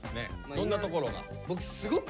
どんなところが？